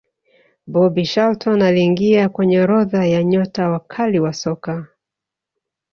bobby charlton aliingia kwenye orodha ya nyota wakali wa soka